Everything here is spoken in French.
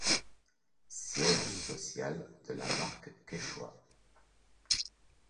Siège social de la marque Quechua.